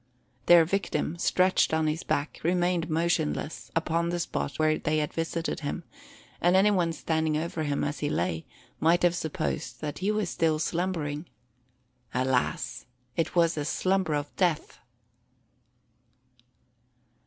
Their victim, stretched on his back, remained motionless upon the spot where they had visited him; and anyone standing over him, as he lay, might have supposed that he was still slumbering! Alas! it was the slumber of death!